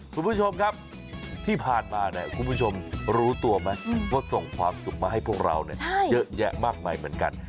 คุณผู้ชมครับที่ผ่านมาเนี่ยคุณผู้ชมรู้ตัวไหมว่าส่งความสุขมาให้พวกเราเยอะแยะมากมายเหมือนกัน